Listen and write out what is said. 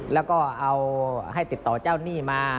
แล้วก็ให้ติดต่อเจ้านี่มา